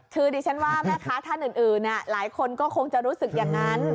คือดิฉันว่าแม่ค้าท่านอื่นหลายคนก็คงจะรู้สึกอย่างนั้น